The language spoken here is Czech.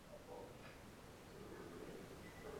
Tím došlo i k dalšímu zvýšení hmotnosti lokomotivy.